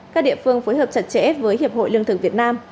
các địa phương phối hợp chặt chẽ với hiệp hội lương thực việt nam